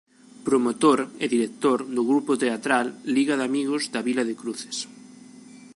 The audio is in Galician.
Promotor e director do grupo teatral Liga de Amigos da Vila de Cruces.